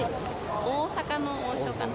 大阪の王将かな。